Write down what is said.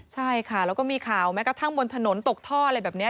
ใช่ค่ะแล้วก็มีข่าวแม้กระทั่งบนถนนตกท่ออะไรแบบนี้